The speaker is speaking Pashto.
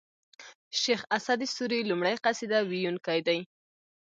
شېخ اسعد سوري لومړی قصيده و يونکی دﺉ.